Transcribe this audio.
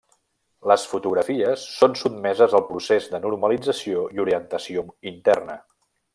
Les fotografies són sotmeses al procés de normalització i orientació interna.